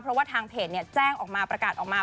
เพราะว่าทางเพจแจ้งออกมาประกาศออกมา